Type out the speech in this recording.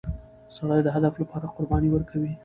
سړی د هدف لپاره قرباني ورکوي